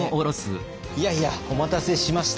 いやいやお待たせしました。